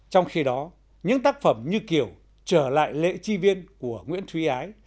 trong khi đó những tác phẩm như kiểu trở lại lễ chi viên của nguyễn thúy ái